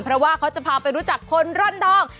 เพราะว่าเขาจะพาไปรู้จักคนร่อนทอง